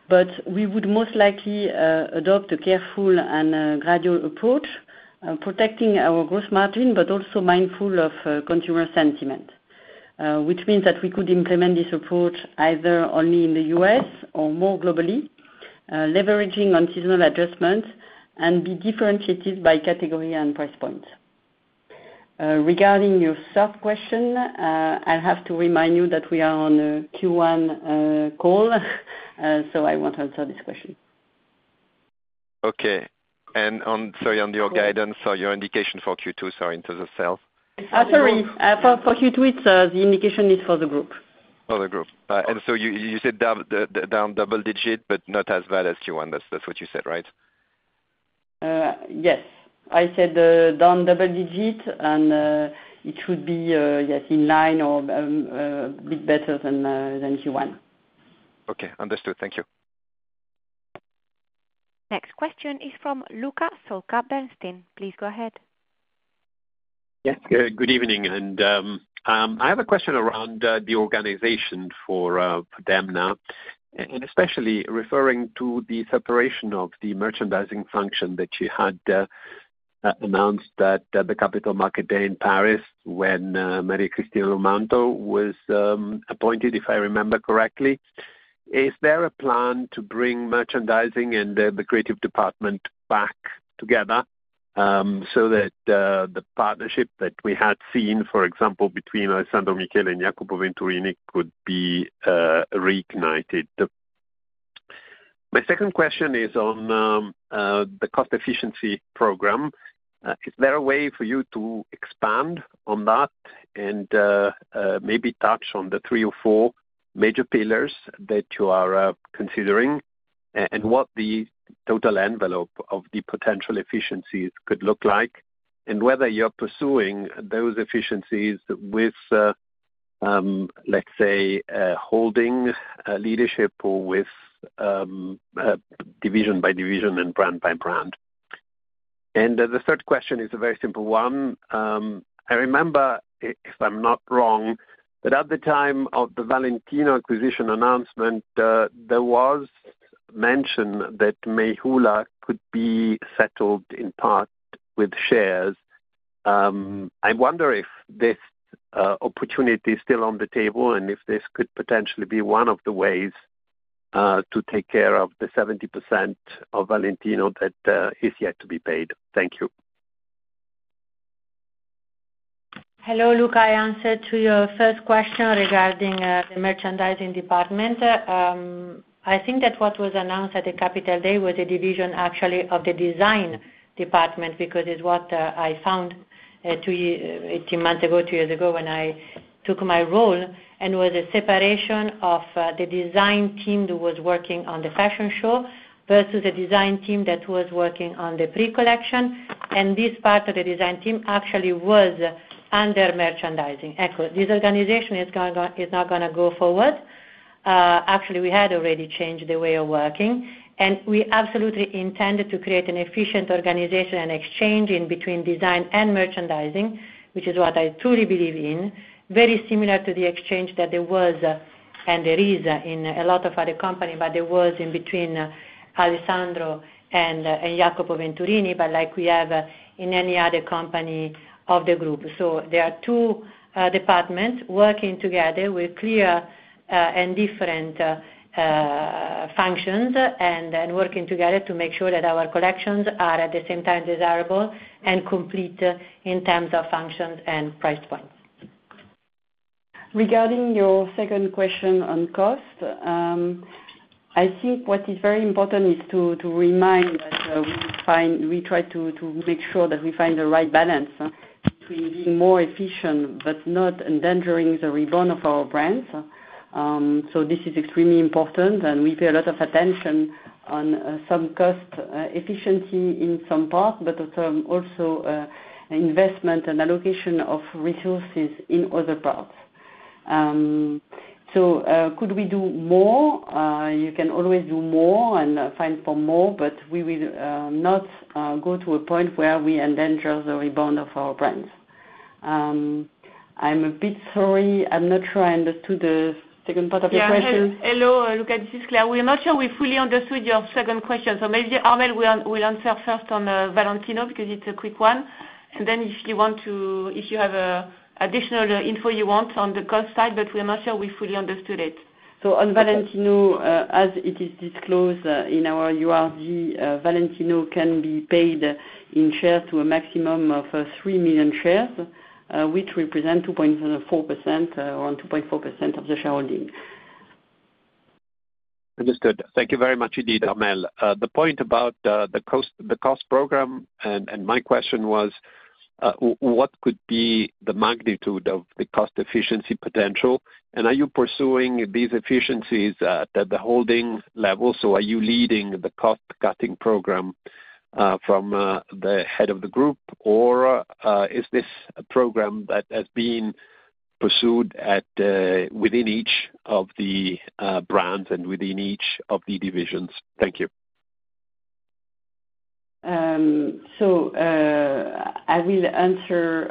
but we would most likely adopt a careful and gradual approach protecting our gross margin but also mindful of consumer sentiment. Which means that we could implement this approach either only in the US or more globally, leveraging on seasonal adjustments and be differentiated by category and price point. Regarding your third question, I have to remind you that we are on a Q1 call, so I wont to answer this question. Okay. Sorry. On your guidance or your indication for Q2 is for in terms of sales, Sorry. For Q2, it's. The indication is for the group. Oh the group. You said down double digit but not as bad as Q1. That's what you said, right? Yes, I said down double digit and it should be in line or bit better than Q1. Okay, understood. Thank you. Next question is from Luca Solca, Bernstein. Please go ahead. Yes, good evening. I have a question around the organization for Demna and especially referring to the separation of the merchandising function that you had announced at the Capital Market Day in Paris when Maria Cristina Lomanto was appointed, if I remember correctly. Is there a plan to bring merchandising and the creative department back together so that the partnership that we had seen, for example, between Alessandro Michele and Jacopo Venturini could be reignited? My second question is on the cost efficiency program. Is there a way for you to expand on that and maybe touch on the three or four major pillars that you are considering and what the total envelope of the potential efficiencies could look like and whether you're pursuing those efficiencies with, let's say, holding leadership or with division by division and brand by brand. The third question is a very simple one. I remember, if I'm not wrong, that at the time of the Valentino acquisition announcement, there was mention that Mayhoola could be settled in part with shares. I wonder if this opportunity is still on the table and if this could potentially be one of the ways to take care of the 70% of Valentino that is yet to be paid. Thank you. Hello, Luca. I answered to your first question regarding the merchandising department. I think that what was announced at the Capital Day was a division actually of the design department, because it's what I found 18 months ago, two years ago, when I took my role and was a separation of the design team that was working on the fashion show versus a design team that was working on the pre collection. And this part of the design team actually was under merchandising echo. This organization is not going to go forward. Actually, we had already changed the way of working and we absolutely intended to create an efficient organization and exchange in between design and merchandising which is what I truly believe in. Very similar to the exchange that there was and there is in a lot of other company, but there was in between Alessandro and Jacopo Venturini, but like we have in any other company of the group. There are two departments working together with clear and different functions, and working together to make sure that our collections are at the same time desirable and complete in terms of functions and price points. Regarding your second question on cost, I think what is very important is to remind we try to make sure that we find the right balance between being more efficient but not endangering the rebound of our brands. This is extremely important and we pay a lot of attention on some cost efficiency in some parts, but also investment and allocation of resources in other parts. Could we do more? You can always do more and more for more, but we will not go to a point where we endanger the rebound of our brands. I'm a bit sorry, I'm not sure I understood the second part of your question. Hello, this is Claire. We're not sure we fully understood your second question. So maybe Armelle will answer first on Valentino, because it's a quick one, and then if you want to. If you have additional info you want. On the cost side, but we're not sure we fully understood it. On Valentino, as it is disclosed in our URD, Valentino can be paid in shares to a maximum of 3 million shares, which represent 2.4% or 2.4% of the shareholding. Understood, thank you very much indeed. Armelle, the point about the cost program and my question was what could be the magnitude of the cost efficiency potential and are you pursuing these efficiencies at the holding level. Are you leading the cost cutting program from the head of the group, or is this a program that has been pursued within each of the brands and within each of the divisions? Thank you. I will answer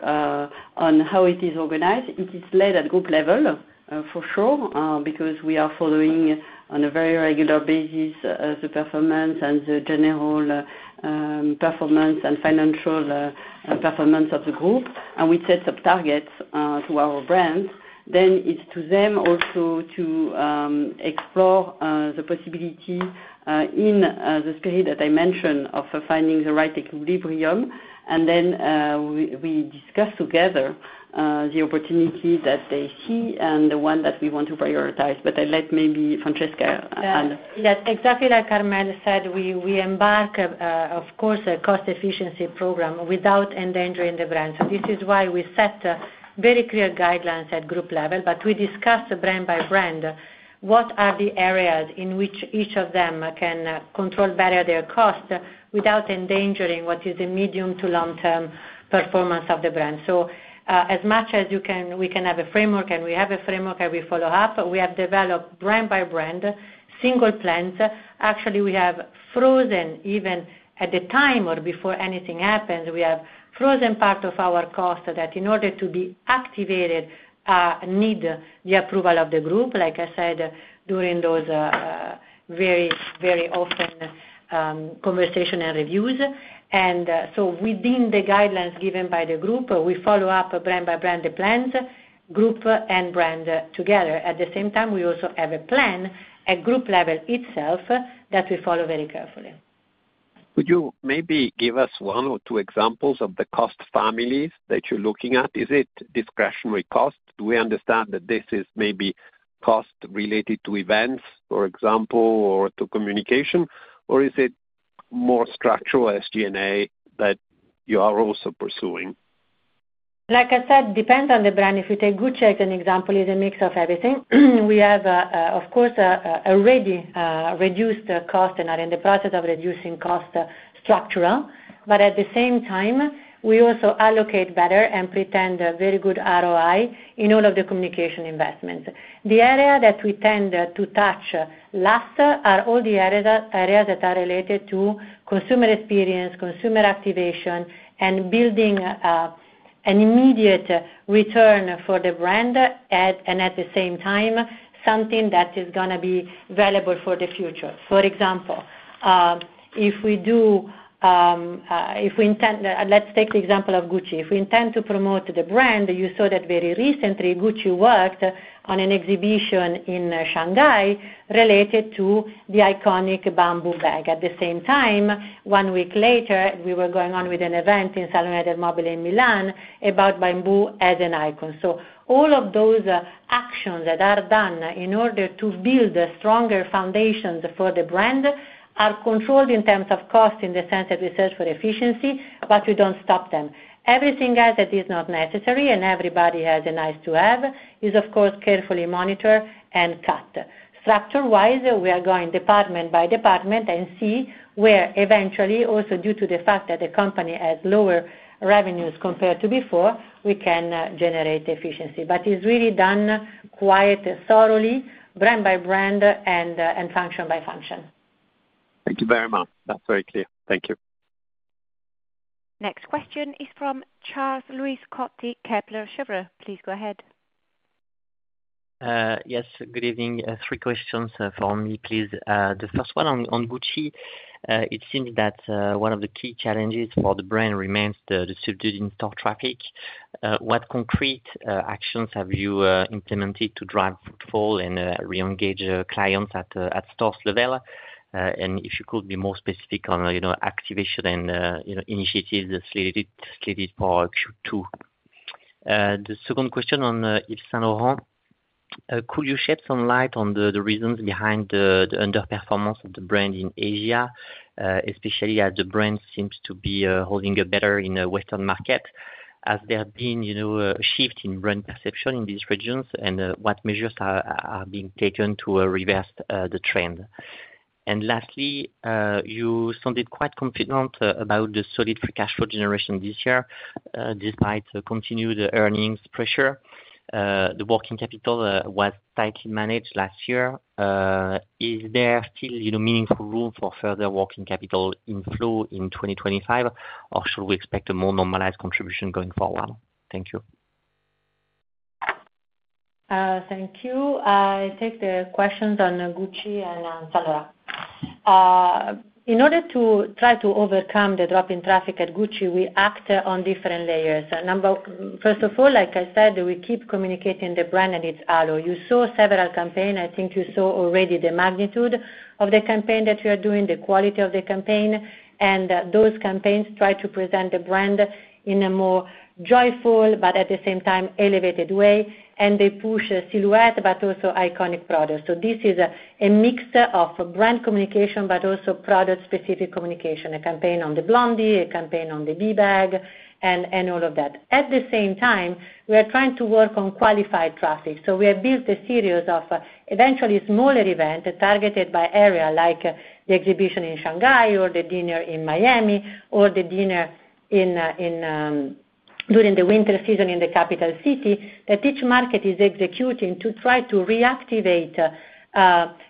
on how it is organized. It is laid at group level, for sure, because we are following on a very regular basis the performance and the general performance and financial performance of the group. We set some targets to our brand, then it's to them also to explore the possibility, in the spirit that I mentioned, of finding the right equilibrium. We discussed together the opportunity that they see and the one that we want to prioritize. I let maybe Francesca. Yes, exactly like Armelle said, we embark of course, a cost efficiency program without endangering the brand. This is why we set very clear guidelines at group level. We discussed brand by brand what are the areas in which each of them can control better their cost without endangering what is the medium to long term performance of the brand. As much as we can have a framework and we have a framework and we follow up, we have developed brand by brand single plans. Actually we have frozen, even at the time or before anything happens, we have frozen part of our cost that in order to be activated need the approval of the group. Like I said, during those very, very often conversation and reviews. Within the guidelines given by the group, we follow up brand by brand plans, group and brand together. At the same time we also have a plan at group level itself that we follow very carefully. Could you maybe give us one or two examples of the cost families that you're looking at? Is it discretionary cost? Do we understand that this is maybe cost related to events, for example, or to communication? Or is it more structural SG&A that you are also pursuing? Like I said, depends on the brand. If you take Gucci, an example is a mix of everything. We have of course already reduced cost and are in the process of reducing cost structurally, but at the same time we also allocate better and pretend very good ROI in all of the communication investments. The area that we tend to touch last are all the areas that are related to consumer experience, consumer activation and building an immediate return for the brand. At the same time something that is going to be valuable for the future. For example, if we do, if we intend, let's take the example of Gucci, if we intend to promote the brand. You saw that very recently Gucci worked on an exhibition in Shanghai related to the iconic bamboo bag. At the same time, one week later we were going on with an event in Salone del Mobile in Milan about bamboo as an icon. All of those actions that are done in order to build stronger foundations for the brand are controlled in terms of cost in the sense that we search for efficiency but we do not stop them. Everything else that is not necessary and everybody has a nice to have is of course carefully monitored and cut structure wise. We are going department by department and see where eventually also due to the fact that the company has lower revenues compared to before, we can generate efficiency. It is really done quite thoroughly brand by brand and function by function. Thank you very much. That's very clear. Thank you. Next question is from Charles-Louis Scotti, Kepler Cheuvreux, please go ahead. Yes, good evening. Three questions for me please. The first one on Gucci. It seems that one of the key challenges for the brand remains the subdued in store traffic. What concrete actions have you implemented to drive footfall and re engage clients at stores level, and if you could be more specific on activation and initiatives slated for Q2? The second question on Saint Laurent, could you shed some light on the reasons behind the underperformance of the brand in Asia? Especially as the brand seems to be holding better in the western market? Has there been a shift in brand perception in these regions and what measures are being taken to reverse the trend? Lastly, you sounded quite confident about the solid free cash flow generation this year. Despite continued earnings pressure, the working capital was tightly managed last year. Is there still meaningful room for further working capital inflow in 2025 or should we expect a more normalized contribution going forward? Thank you. Thank you. I take the questions on Gucci and Salera in order to try to overcome the drop in traffic. At Gucci, we act on different layers. First of all, like I said, we keep communicating the brand and its ally. You saw several campaigns, I think you saw already the magnitude of the campaign that we are doing, the quality of the campaign. And those campaigns try to present the brand in a more joyful but at the same time elevated way. They push silhouette but also iconic products. This is a mix of brand communication, but also product specific communication. A campaign on the Blondie, a campaign on the Bee bag and all of that. At the same time, we are trying to work on qualified traffic. We have built a series of eventually smaller events targeted by area, like the exhibition in Shanghai, or the dinner in Miami, or the dinner during the winter season in the capital city that each market is executing to try to reactivate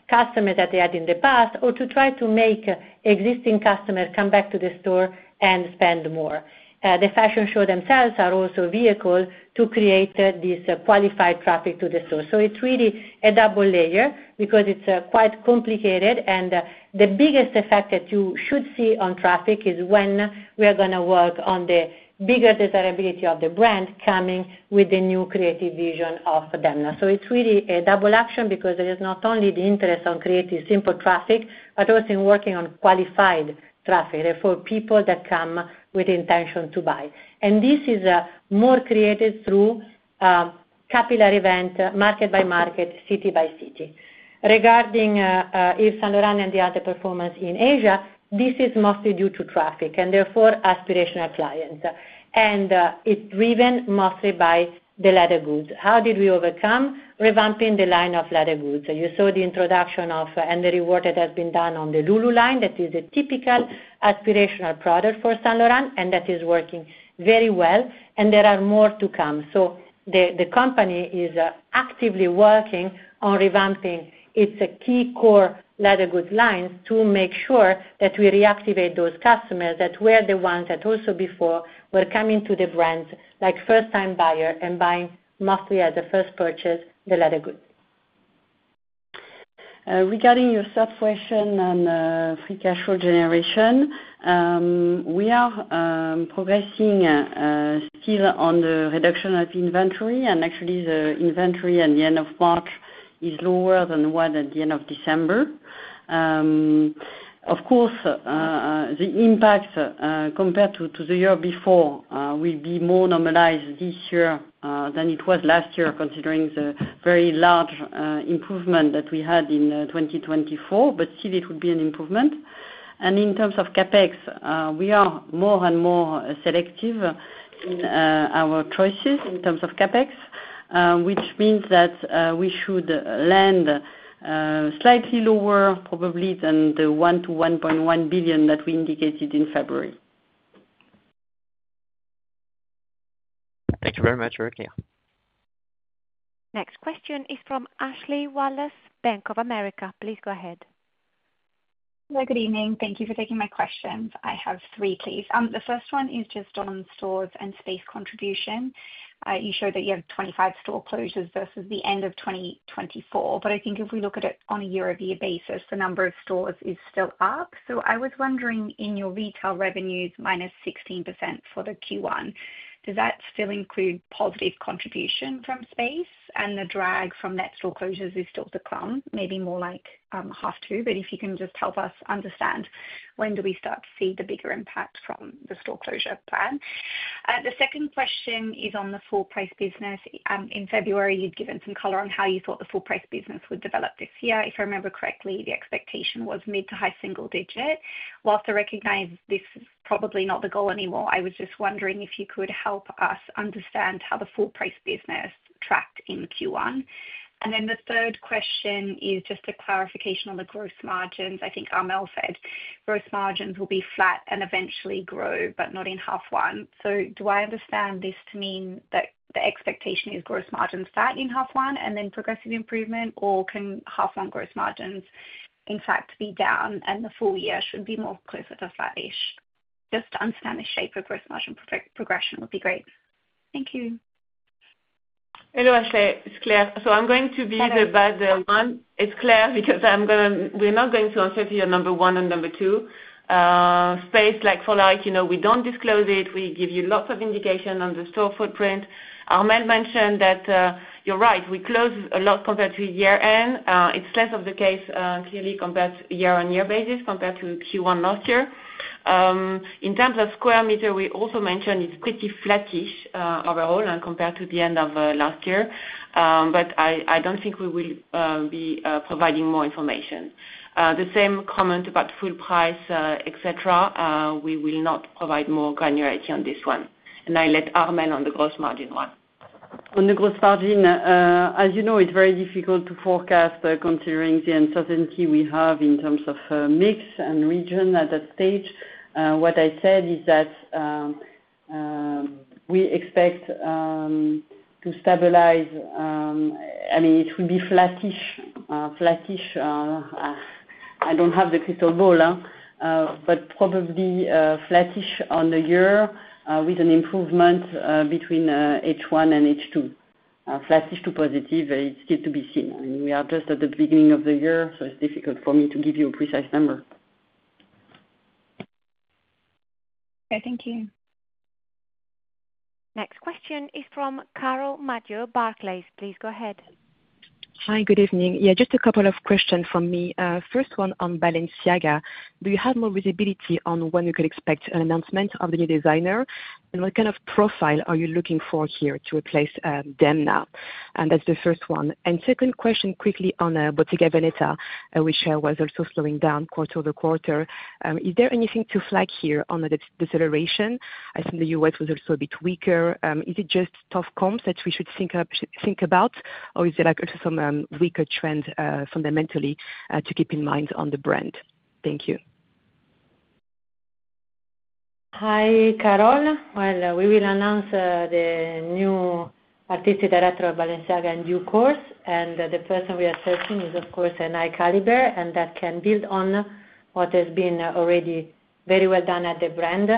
customers that they had in the past, or to try to make existing customers come back to the store and spend more. The fashion show themselves are also vehicles to create this qualified traffic to the store. It is really a double layer because it is quite complicated. The biggest effect that you should see on traffic is when we are going to work on the bigger desirability of the brand, coming with the new creative vision of them. It is really a double action because there is not only the interest on creating simple traffic, but also in working on qualified traffic for people that come with intention to buy. This is more created through popular events, market by market, city by city. Regarding Saint Laurent and the other performance in Asia, this is mostly due to traffic and therefore aspirational clients. And it is driven mostly by the leather goods. How did we overcome revamping the line of leather goods? You saw the introduction of and the reward that has been done on the Loulou line. That is a typical aspirational product for Saint Laurent and that is working very well and there are more to come. The company is actively working on revamping. It's a key core leather goods lines to make sure that we reactivate those customers that were the ones that also before were coming to the brands like first time buyer and buying mostly at the first purchase the leather goods. Regarding your third question on free cash flow generation, we are progressing still on the reduction of inventory and actually the inventory at the end of March is lower than what at the end of December. Of course the impact compared to the year before will be more normalized this year than it was last year considering the very large improvement that we had in 2024. But still, it would be an improvement. In terms of CapEx we are more and more selective in our choices in terms of CapEx, which means that we should land slightly lower probably than the 1 to 1.1 billion that we indicated in February. Thank you very much. Next question is from Ashley Wallace, Bank of America. Please go ahead. Good evening. Thank you for taking my questions. I have three please. The first one is just on stores and space contribution. You showed that you have 25 store closures versus the end of 2024. I think if we look at it on a year-over-year basis the number of stores is still up. I was wondering in your retail revenues -16% for the Q1, does that still include positive contribution from space? And the drag from net store closures. Is still to come. Maybe more like. If you can just help us understand when do we start to see the bigger impact from the store closure plan? The second question is on the full price business. In February you had given some color on how you thought the full price business would develop this year. If I remember correctly, the expectation was mid to high single digit. Whilst I recognize this is probably not the goal anymore, I was just wondering if you could help us understand how the full price business tracked in Q1. The third question is just a clarification on the growth margins. I think Armelle said growth margins will be flat and eventually grow, but not in H1. Do I understand this to mean that the expectation is gross margins flat in H1 and then progressive improvement? Or can H1 growth margins in fact be down and the full year should be more closer to flat? Ish. Just to understand the shape of growth margin progression would be great. Thank you. Hello, Ashley, it's Claire. I'm going to be the bad one. It's Claire because we're not going to answer to your number one and number two, space like Fola. We don't disclose it. We give you lots of indication on the store footprint. Armelle mentioned that. You're right. We close a lot compared to year end. It's less of the case clearly compared to year-on-year basis compared to Q1 last year in terms of square meter. We also mentioned it's pretty flattish overall compared to the end of last year. I don't think we will be providing more information. The same comment about full price, et cetera. We will not provide more granularity on this one. I let Armelle on the growth margin, On the growth margin. As you know, it's very difficult to forecast considering the uncertainty we have in terms of mix and region at that stage. What I said is that we expect to stabilize. I mean it will be flattish. I don't have the crystal ball, but probably flattish on the year with an improvement between H1 and H2. Flattish to positive. It's still to be seen. We are just at the beginning of the year, so it's difficult for me to give you a precise number. Thank you. Next question is from Carole Madjo Barclays. Please go ahead. Hi, good evening. Yeah, just a couple of questions from me. First one on Balenciaga, do you have more visibility on when you could expect an announcement of the new designer and what kind of profile are you looking for here to replace them now? That's the first one. Second question quickly on Bottega Veneta, which was also slowing down quarter-over-quarter. Is there anything to flag here on the deceleration? I think the U.S. was also a bit weaker. Is it just tough comps that we should think about or is it some weaker trend fundamentally to keep in mind on the brand? Thank you. Hi, Carole. We will announce the new Artistic Director at Balenciaga in due course. The person we are searching is of course a high caliber and can build on what has been already very well done at the brand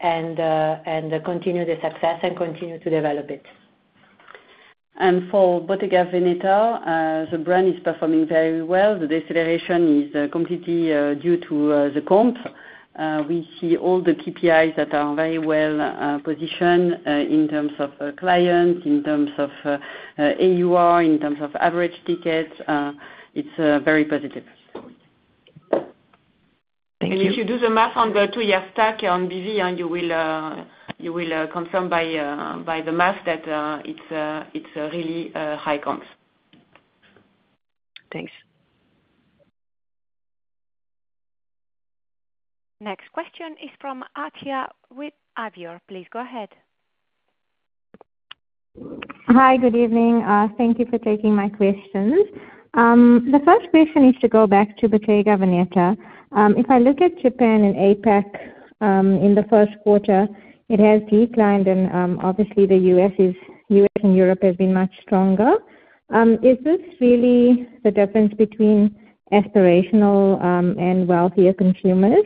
and continue the success and continue to develop it. For Bottega Veneta, the brand is performing very well. The deceleration is completely due to the comp. We see all the KPIs that are very well positioned in terms of clients, in terms of AUR, in terms of average tickets. It is very positive. If you do the math on the two-year stack on BV, you will confirm by the math that it's really high comps. Thanks. Next question is from Atiyyah with Avior. Please go ahead. Hi, good evening. Thank you for taking my questions. The first question is to go back to Bottega Veneta. If I look at Japan and APAC in Q1, it has declined and obviously the US and Europe have been much stronger. Is this really the difference between aspirational and wealthier consumers?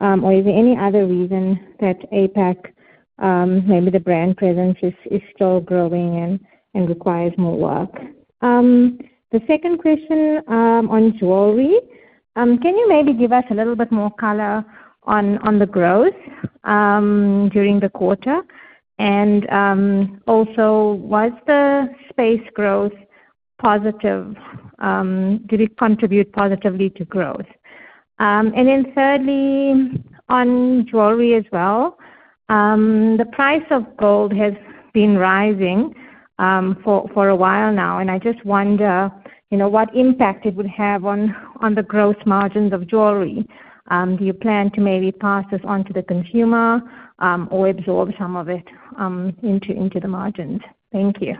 Or is there any other reason that Asia Pacific maybe the brand presence is still growing and requires more work? The second question on jewelry, can you maybe give us a little bit more color on the growth during the quarter? And also was the space growth positive? Did it contribute positively to growth? And then thirdly on jewelry as well. The price of gold has been rising for a while now and I just wonder what impact it would have on the growth margins of jewelry. Do you plan to maybe pass this on to the consumer or absorb some of it into the margins? Thank you.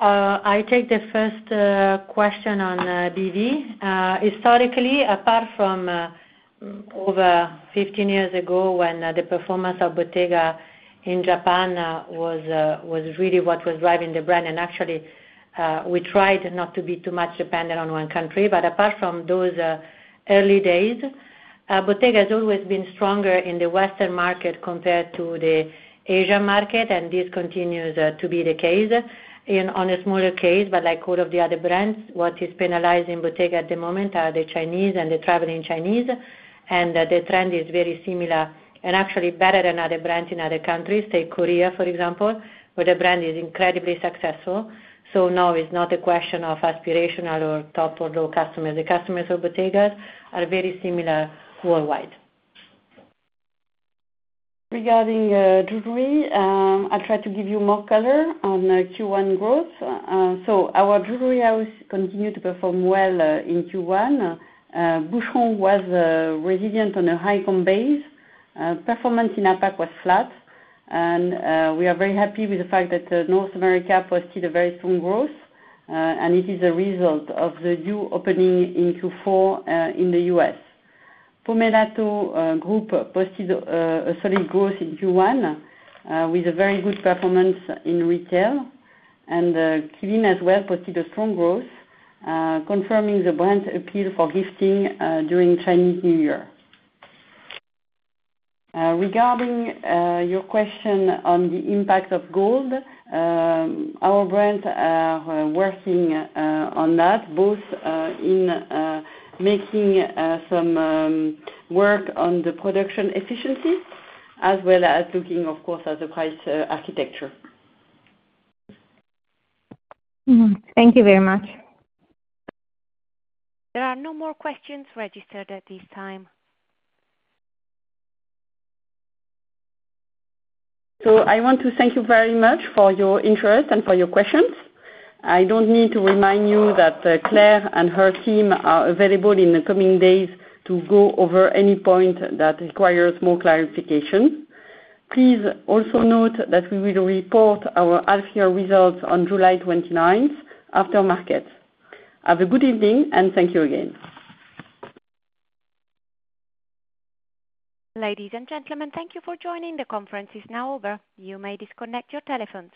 I take the first question on BV. Historically, apart from over 15 years ago when the performance of Bottega in Japan was really what was driving the brand? Actually, we tried not to be too much dependent on one country, but apart from those early days, Bottega has always been stronger in the western market compared to the Asian market. This continues to be the case on a smaller case. Like all of the other brands, what is penalizing Bottega at the moment are the Chinese and the traveling Chinese. The trend is very similar and actually better than other brands in other countries. Take Korea for example, where the brand is incredibly successful. Now it's not a question of aspirational or top or low customer. The customers of Bottega are very similar worldwide. Regarding jewelry, I'll try to give you more color on Q1 growth. Our jewelry house continued to perform well in Q1. Boucheron was resilient on a high comp base. Performance in APAC was flat. We are very happy with the fact that North America posted very strong growth and it is a result of the new opening in Q4 in the US. Pomellato Group posted solid growth in Q1 with very good performance in retail. Qeelin as well posted strong growth, confirming the brand's appeal for gifting during Chinese New Year. Regarding your question on the impact of gold, our brands are working on that both in making some work on the production efficiency as well as looking, of course, at the price architecture. Thank you very much. There are no more questions registered at this time. I want to thank you very much for your interest and for your questions. I do not need to remind you that Claire and her team are available in the coming days to go over any point that requires more clarification. Please also note that we will report our half year results on July 29 after market. Have a good evening and thank you. Again. Ladies and gentlemen. Thank you for joining. The conference is now over. You may disconnect your telephones.